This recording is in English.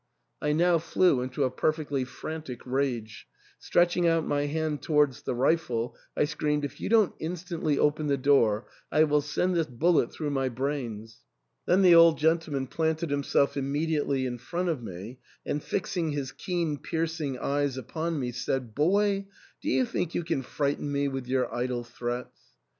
I now flew into a perfectly fran tic rage ; stretching out my hand towards the rifle, I screamed, " If you don't instantly open the door I will send this bullet through my brains." Then the old gentleman planted himself immediately in front of me, and fixing his keen piercing eyes upon me said, " Boy, do you think you can frighten me with your idle threats